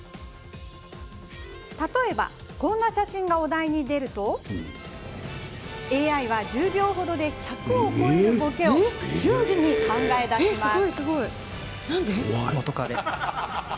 例えばこんな写真がお題に出るとＡＩは１０秒ほどで１００を超えるぼけを瞬時に考え出します。